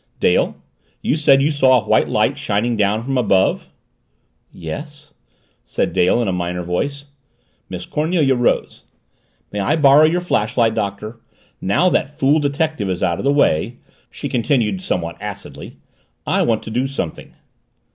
"Dale, you said you saw a white light shining down from above?" "Yes," said Dale in a minor voice. Miss Cornelia rose. "May I borrow your flashlight, Doctor? Now that fool detective is out of the way," she continued some what acidly, "I want to do something."